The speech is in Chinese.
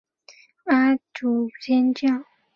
天主教阿奎教区是天主教会在义大利的一个教区。